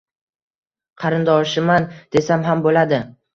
Qarindoshiman, desam ham boʻladi.